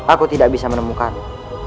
aku tidak bisa menemukanmu